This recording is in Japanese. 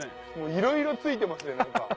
いろいろ付いてますね。